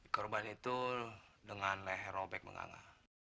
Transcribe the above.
korban itu dengan leher robek menganga